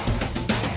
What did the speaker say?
ya aku sama